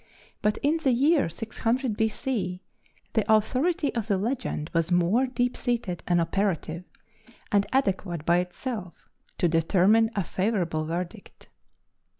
But in the year 600 B.C. the authority of the legend was more deep seated and operative, and adequate by itself to determine a favorable verdict.